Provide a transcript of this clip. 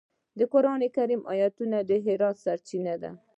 د قرآن مبارکه آیتونه د هدایت سرچینه دي.